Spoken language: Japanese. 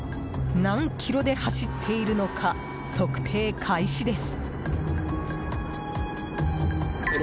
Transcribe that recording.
何キロで走っているのか測定開始です。